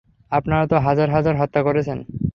আপনারা তো হাজার-হাজার হত্যা করেছেন।